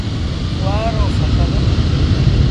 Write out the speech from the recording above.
گُوآر رو ڦسل۔